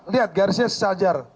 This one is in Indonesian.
lihat garisnya secajar